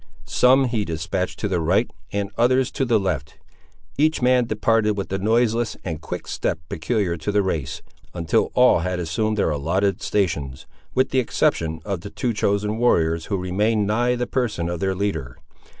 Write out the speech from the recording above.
Some he despatched to the right, and others to the left. Each man departed with the noiseless and quick step peculiar to the race, until all had assumed their allotted stations, with the exception of two chosen warriors, who remained nigh the person of their leader.